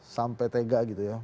sampai tega gitu ya